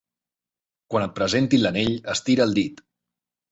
Quan et presentin l'anell estira el dit.